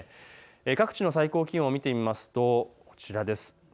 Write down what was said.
各地の最高気温を見てみるとこちらです。